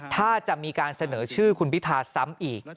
ถ้าจะมีการเสนอชื่อคุณพิธาซ้ำอีก